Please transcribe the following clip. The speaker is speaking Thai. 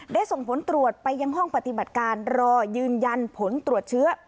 ส่งผลตรวจไปยังห้องปฏิบัติการรอยืนยันผลตรวจเชื้อ